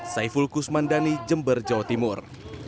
saya fulkus mandani jember jawa timur